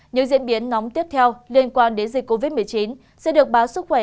những diễn biến nóng tiếp theo liên quan đến dịch covid một mươi chín sẽ được báo sức khỏe